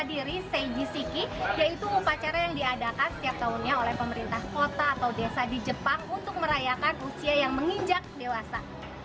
tapi ini juga untuk menghadiri seiji siki yaitu umpacara yang diadakan setiap tahunnya oleh pemerintah kota atau desa di jepang untuk merayakan usia yang menginjak dewasa